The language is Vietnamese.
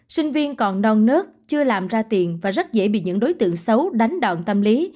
sinh viên còn non nớt chưa làm ra tiền và rất dễ bị những đối tượng xấu đánh đọn tâm lý